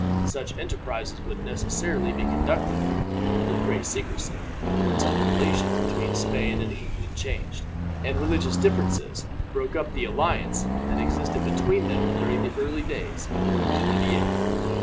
Such enterprises would necessarily be conducted with great secrecy, until the relations between Spain and England changed, and religious differences broke up the alliance that existed between them during the early days of Henry the 8th.